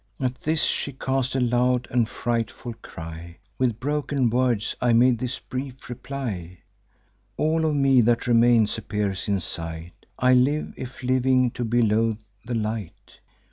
At this, she cast a loud and frightful cry. With broken words I made this brief reply: 'All of me that remains appears in sight; I live, if living be to loathe the light.